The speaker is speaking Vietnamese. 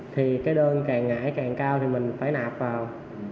thì cái đơn càng ngày càng cao thì mình phải nạp vào